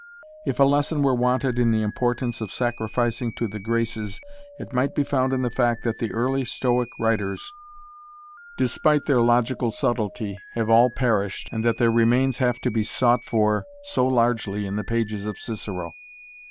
If a lesson were wanted in the importance of sacrificing to the Graces it might be found in the fact that the early Stoic writers despite their logical subtlety have all perished and that their remains have to be sought for so largely in the pages of Cicero.